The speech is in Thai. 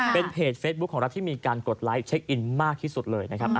เป็นเพจเฟซบุ๊คของรัฐที่มีการกดไลค์เช็คอินมากที่สุดเลยนะครับ